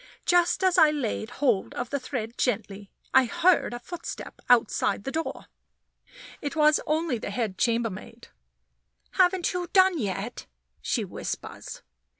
Just as I laid hold of the thread gently, I heard a footstep outside the door. It was only the head chambermaid. "Haven't you done yet?" she whispers.